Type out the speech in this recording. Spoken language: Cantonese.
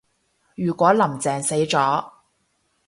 如果林鄭死咗